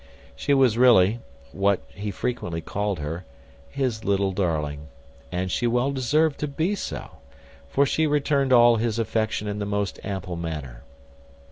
She was really, what he frequently called her, his little darling, and she well deserved to be so; for she returned all his affection in the most ample manner.